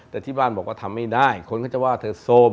แต่ที่บ้านบอกว่าทำไม่ได้คนก็จะว่าเธอโซม